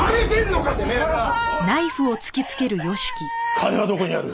金はどこにある？